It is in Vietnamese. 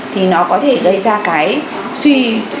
thì nó có thể gây ra cái suy